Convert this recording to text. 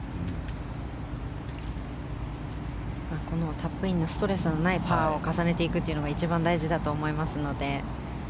タップインのストレスのないホールを重ねていくのが一番大事だと思いますので。